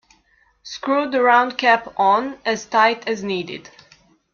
Screw the round cap on as tight as needed.